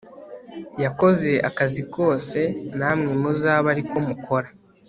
yakoze akazi kose namwe muzabe ari ko mukora